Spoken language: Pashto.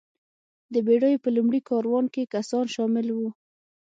د بېړیو په لومړي کاروان کې کسان شامل وو.